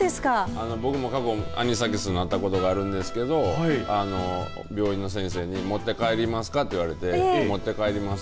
僕も過去、アニサキスなったことがあるんですけど病院の先生に持って帰りますかって言われて持って帰ります